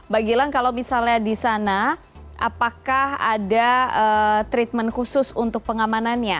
mbak gilang kalau misalnya di sana apakah ada treatment khusus untuk pengamanannya